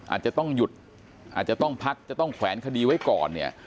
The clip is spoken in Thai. อาจจะต้องหยุดอาจจะต้องพักจะต้องแขวนคดีไว้ก่อนเนี่ย